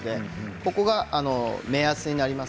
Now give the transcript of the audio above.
それが目安です。